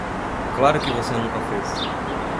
Claro que você nunca fez.